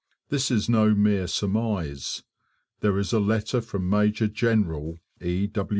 This is no mere surmise. There is a letter from Major General E.